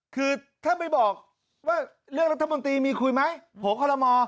คือถ้าไม่บอกว่าเรื่องรัฐมนตรีมีคุยไหมโผล่คอลโลมอ